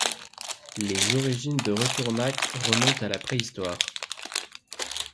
Les origines de Retournac remontent à la Préhistoire.